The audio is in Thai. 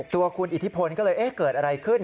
ตัวคุณอิทธิพลก็เลยเกิดอะไรขึ้น